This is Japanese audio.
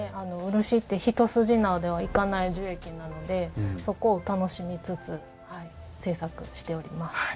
漆って一筋縄ではいかない樹液なのでそこを楽しみつつ制作しております。